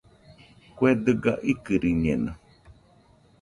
Kue dɨga ikɨriñeno.